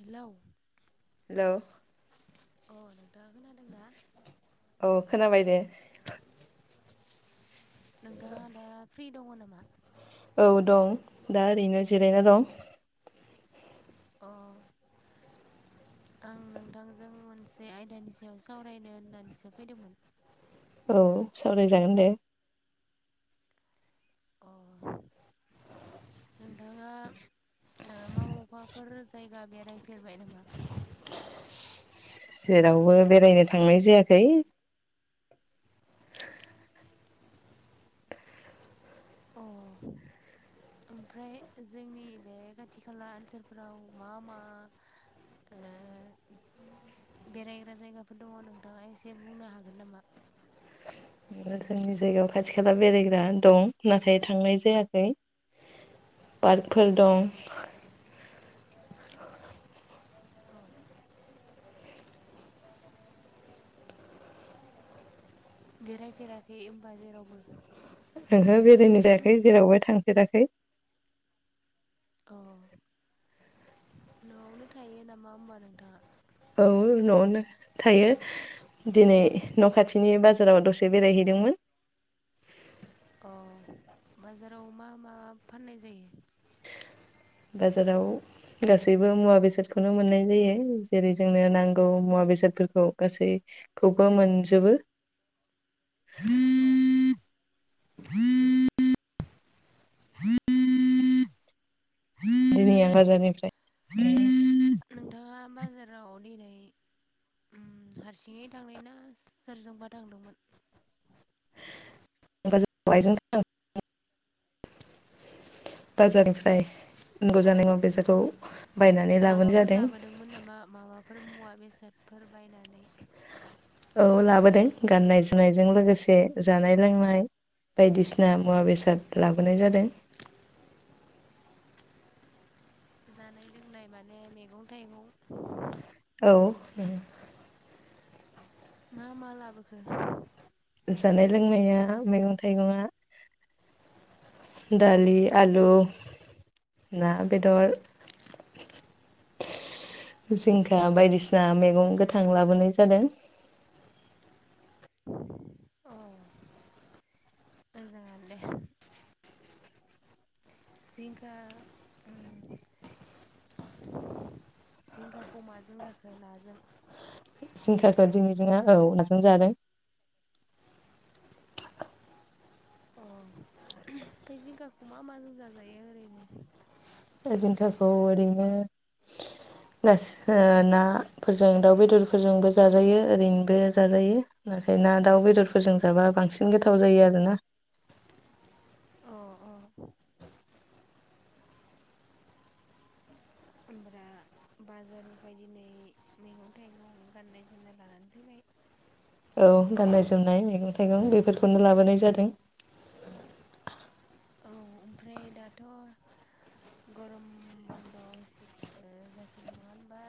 Hello hello. अ नों दा खोनादोंना? औ खोनाबाय दे। नोंथाङा दा फ्रि दङ नामा? औ दं दा ओरैनो जिरायना दं। अ आं नोंथांजों मोनसे आयदानि सायाव सावरायनो होननानैसो फैदोंमोन। औ सावराय जागोन दे। अ नोंथाङा ओ मावोबाफोर जायगा बेरायफेरबाय नामा? जेरावबो बेरायनो थांनाय जायाखै। अ ओमफ्राय जोंनि बे खाथि खाला ओनसोलफोराव मा मा बेरायग्रा ओ जायगाफोर दङ नोंथाङा एसे बुंनो हागोन नामा? जोंनि जायगायाव खाथि खाला बेरायग्रा दं नाथाय थांनाय जायाखै पार्कफोर दं। औ बेरायफेराखै होनबा जेरावबो। ओहो बेरायनाय जायाखै जेरावबो थां फेराखै अ न'आवनो थायो नामा होनबा नोंथाङा? औ न'आवनो थायो दिनै न' खाथिनि बाजाराव दसे बेरायहैदोंमोन। अ बाजाराव मा मा फाननाय जायो? बाजाराव गासैबो मुवा बेसादखौनो मोननाय जायो। जेरै जोंनो नांगौ मुवा बेसादफोरखौ गासैखौबो मोनजोबो। औ‌। [unintelligible] जोंनिया बाजारनिफ्राय। नोंथाङा बाजाराव दिनै उम हारसिङै थांनाय ना सोरजोंबा थांदोंमोन? बेवयाइ जों थांदों [inaudible] बाजारनिफ्राय‌। अ लाबोनाय माबाफोर जादों लाबोदोंमोन नामा माबाफोर मुवा बेसाद? फोर बायनानै। औ लाबोदों गाननाय जोमनायजों लोगोसे जानाय लोंनाय बायदिसिना मुवा बेसाद लाबोनाय जादों। जानाय लोंनाय माने मैगं थाइगं। औ। मा मा लाबोखो? जानाय लोंनाया मैगं थाइगंआ दालि, आलु, ना, बेदर, जिंखा बायदिसिना मैगं गोथां लाबोनाय जादों। अ मोजाङानो दे। जिंखा उम जिंखाखौ माजों जाखो नाजों? जिंखाखौ दिनिजोंना औ नाजों जादों। अ ओमफाय जिंखाखौ मा माजों जाजायो ओरैनो? ओ जिंखाखौ ओरैनो गासै ओ नाफोरजों दाउ बेदरफोरजोंबो जाजायो ओरैनोबो जाजायो। नाथाय ना दाउ बेदरफोरजों जाबा बांसिन गोथाव जायो आरोना। अ अ। ओमफ्रा बाजारनिफ्राय दिनै मैगं थाइगं गाननाय जोमनाय लानानै फैबाय। औ गाननाय जोमनाय मैगं थाइगं बेफोर खौनो लाबोनाय जादों। औ ओमफ्राय दाथ' गरम बन्द' होसि ओ जासिगोन नङा होनबा?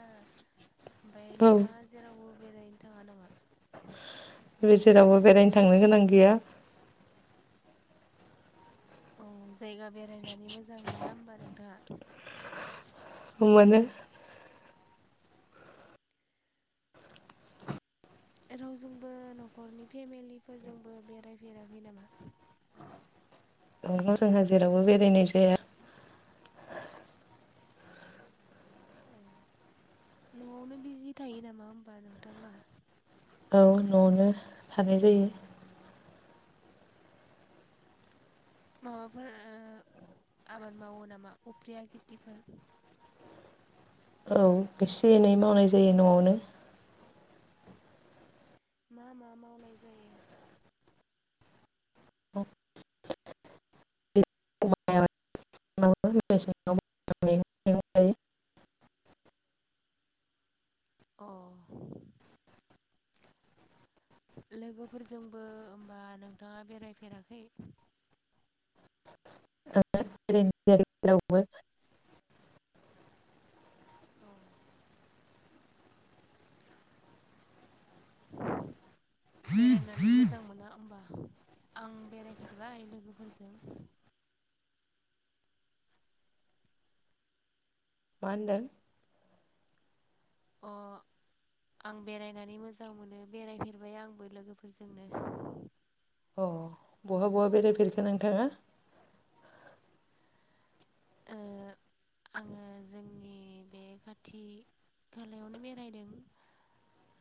ओमफाय औ नोंथाङा जेराव बेरायनो थाङा नामा? है जेरावबो बेरायनो थांनो गोनां गैया। औ जायगा बेरायनानै मोजां मोना होनोमबा नोंथाङा? मोनो। रावजोंबो न'खरनि फेमिलिफोरजोंबो बेरायफेराखै नामा? ओंहो जोंहा जेरावबो बेरायनाय जाया। न'आवनो बिजि थायो नामा होमबा नोंथाङा। औ न'आवनो थानाय जायो। माबाफोर ओ आबाद मावो नामा उप्रिया खेथिफोर? औ एसे एनै मावनाय जायो न'आवनो। मा मा मावनाय जायो? [unintelligible] अ। लोगोफोरजोंबो होमबा नोंथांङा बेरायफेराखै? [unintelligible] बेरायनानै मोजां मोना होमबा आं बेरायफेरबाय लोगोफोरजों। मा होनदों? अ आं बेरायनानै मोजां मोनो बेरायफेरबाय आंबो लोगोफोरजोंनो, अ बहा बहा बेरायफेरखो नोंथांङा? ओ आङो जोंनि बे खाथि खालायावनो बेरायदों।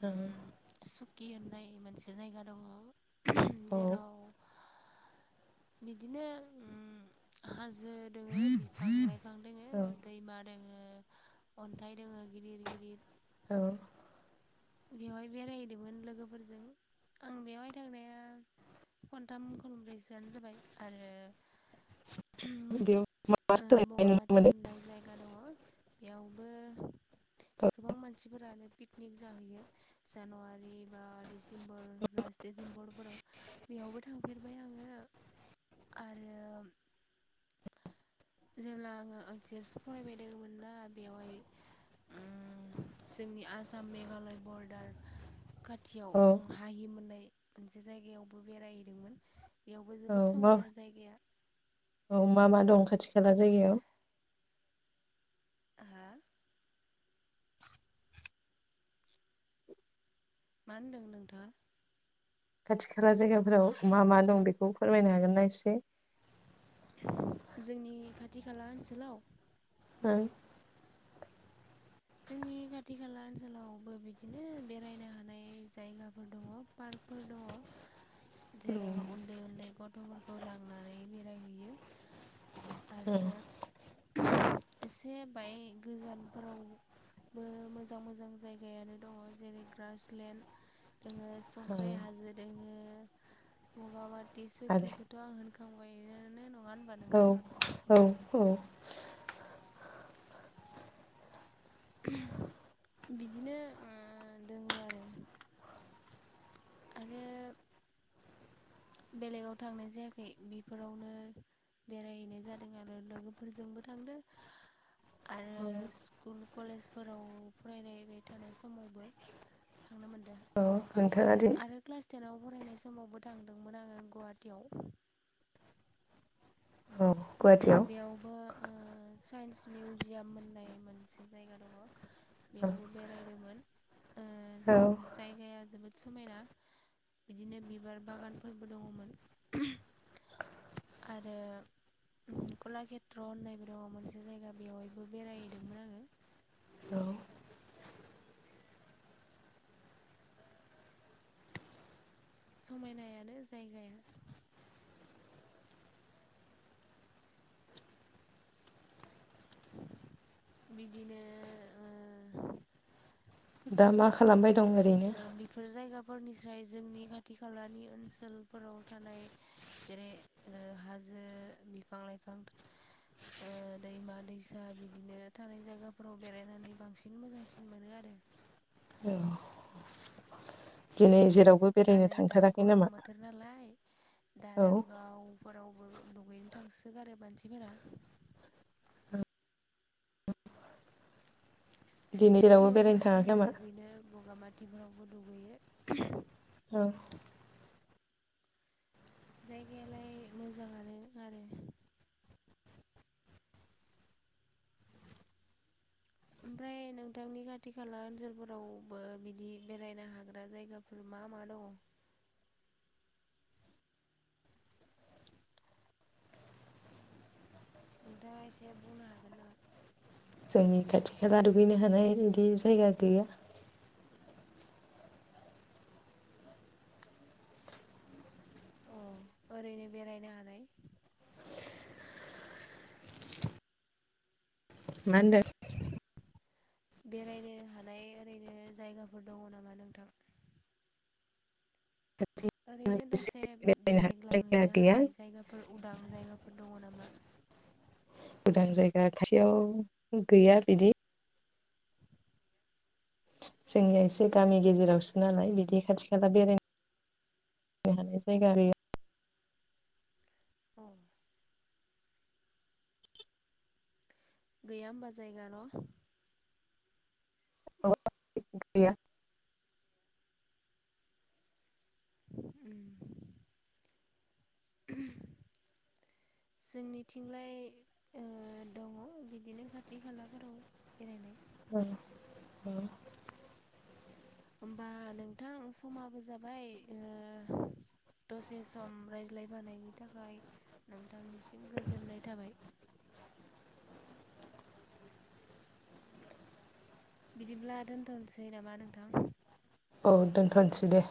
औ कि होननाय मोनसे जायगा दङ। औ जेराव बिदिनो उम हाजो दोङो बिफां लाइफां दोङो औ दैमा दोङो अन्थाइ दोङो गिदिर गिदिर औ बेवहाय बेरायहैदोंमोन लोगोफोरजों आं बेवहाय थांनाया खनथाम खनब्रैसोआनो जाबाय आरो बेयाव माबा ओम सोलायनाय नुनो बगामाथि मोनो होननाय जायगा दङ बेयाव, बो गोबां मानसिफोरानो पिकनिक जाहैयो जानुवारि बा डिसेम्बर लास्ट डसेम्बरफोराव बेयावबो थांफेरबाय आङो आरो जेब्ला आङो हो एस फरायबाय दंमोन ना बेवहाय उम जोंनि आसाम मेघालय बरदार खाथियाव औ हाहिम होननाय मोनसे जायगायावबो बेरायहैदोंमोन बेयावबो औ जोबोद मा समायना जायगाया, औ मा मा दं खाथि खाला जायगायाव, हा मा होनदों नोंथाङा? खाथि खाला जायगाफोराव मा मा दं बेखौ फोरमायनो हागोन ना एसे जोंनि खाथि खाला ओनसोलाव ओ जोंनि खाथि खाला ओनसोलावबो बिदिनो बेरायनो हानाय जायगाफोर दङ पार्कफोर दङ। जेराव उन्दै उन्दै गथ लबर'खौ लांनानै बेरायहैयो, आरो एसे बाय गोजानफोराव, मो मोजां मोजां जायगायानो दङ जेरै ग्रासलेण्ड दोङो संख्रै हाजो दोङो बगामाट दि आरो सुखिखौथ' आं होनखो औ औ औ बिदिनो ओ दोङो आरो आरो बेलेगाव थांनाय जायाखै बेफोरावनो बेरायहैनाय जादों आरो लोगोफोरजोंबो थांदों, आरो औ स्कुल कलेजफोराव फरायनायबाय थानाय समावबो, थांनो मोनदों औ अ नोंथाङादि आरो क्लास टेनाव फरायनाय समावबो थांदोंमोन आङो गुवाहाटियाव। औ गुवाहाटियाव बेयावबो ओ साइन्स मिउजियाम होननाय मोनसे जायगा दङ। बेयावबो बेरायदोंमोन। ओ औ जायगाया जोबोद, समायना बिदिनो बिबार बागानफोरबो दङमोन। आरो कलाकेत्र होननायबो दङ मोनसे जायगा बेवहायबो बेरायहैदोंमोन आङो। औ समायनायानो जायगाया। बिदिनो ओ दा मा खालामबाय दं ओरैनो ओ बेफोर जायगा फोरनिस्राय जोंनि खाथि खालानि ओनसोलफोराव थानाय। जेरै हाजो बिफां-लाइफां ओ दैमा दैसा बिदिनो थानाय जायगाफोराव बेरायनानै बांसिन मोजांसिन मोनो आरो। औ दिनै जेराव आरो दा गरम बोथोर नालाय औ दारागावफोरावबो दुगैनो थांसो गारो मानसिफोरा। दिनै जेरावबो सुकियावबो बेरायनो हायो थाङाखै नामा? दुगैनो बगामाथिफोरावबो दुगैयो। ओं जायगायालाय मोजाङानो आरो ओमफ्राय नोंथांनि खाथि खाला ओनसोलफोरावबो बिदि बेरायनो हाग्रा जायगाफोर मा मा दङ? नोंथाङा एसे बुंनो हागोन नामा? जोंनि खाथि खाला दुगैनो हानाय बिदि जायगा गैया। अ' ओरैनो बेरायनो हानाय? मा होनदों? बेरायनो हानाय ओरैनो जायगाफोर दङ नामा नोंथां? ओरैनो एसे दसे बेरायनो बेराय हानाय जायगा ग्लांहैनो गैया हानाय जायगाफोर उदां जायगाफोर दङ नामा? गोदान जायगा खाथियाव गैया बिदि। अ जोंनिया एसे गामि गेजेरावसो नालाय बिदि खाथि खाला बेरायनो हानाय जायगा गैया। औ गैया होमबा जायगा न'? औ [unintelligible] गैया। उम जोंनिथिंलाय ओ दङ बिदिनो खाथि खालाफोराव बेरायनाय औ औ होमबा नोंथां समाबो जाबाय ओ दसे सम रायज्लायफानायनि थाखाय नोंथांनिसिम गोजोननाय थाबाय। बिदिब्ला दोनथ'नोसै नामा नोंथां? औ दोनथसै दे।